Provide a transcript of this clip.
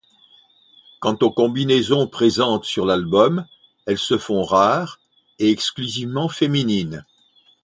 Quant aux combinaisons présentes sur l’album, elles se font rares et exclusivement féminines.